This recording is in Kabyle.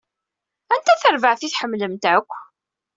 Anta tarbaɛt i tḥemmlemt akk?